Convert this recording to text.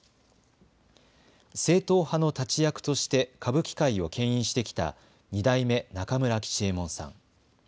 正統派の立役として歌舞伎界をけん引してきた二代目中村吉右衛門さん。